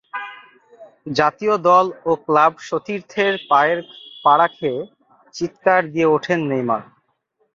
জাতীয় দল ও ক্লাব সতীর্থের পায়ের পাড়া খেয়ে চিৎকার দিয়ে ওঠেন নেইমার।